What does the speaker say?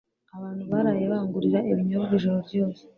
Abantu baraye bangurira ibinyobwa ijoro ryose.